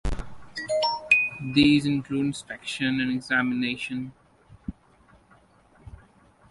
These include inspection and examination.